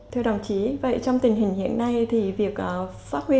thưa đồng chí vậy trong tình hình hiện nay thì việc phát huy